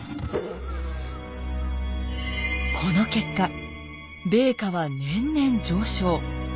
この結果米価は年々上昇。